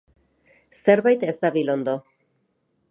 Zerbait ez dabil ondo.